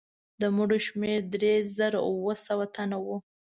د مړو شمېر درې زره اووه سوه تنه وو.